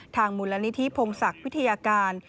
มูลนิธิพงศักดิ์วิทยาการ